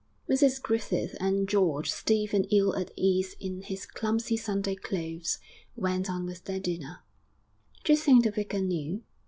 Mrs Griffith and George, stiff and ill at ease in his clumsy Sunday clothes, went on with their dinner. 'D'you think the vicar knew?'